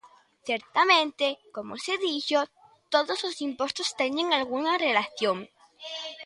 Certamente, como se dixo, todos os impostos teñen algunha relación.